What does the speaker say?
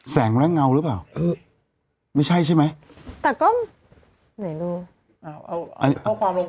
แสงและงัวหรือเปล่าคือไม่ใช่ใช่ไหม